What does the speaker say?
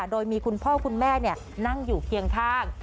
โดยมีคุณพ่อคุณแม่นั่งอยู่เคียงข้าง